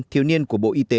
thiếu niên của bộ y tế